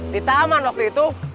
di taman waktu itu